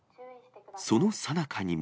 そのさなかにも。